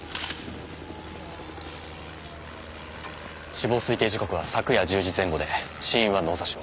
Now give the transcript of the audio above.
死亡推定時刻は昨夜１０時前後で死因は脳挫傷。